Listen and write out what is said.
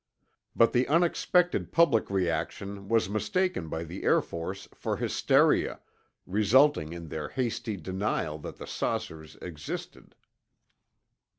But the unexpected public reaction was mistaken by the Air Force for hysteria, resulting in their hasty denial that the saucers existed.